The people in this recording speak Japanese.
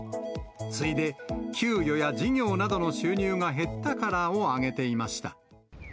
次いで、給与や事業などの収入が減ったからを挙げていました。